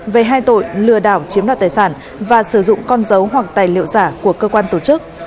về hai tội lừa đảo chiếm đoạt tài sản và sử dụng con dấu hoặc tài liệu giả của cơ quan tổ chức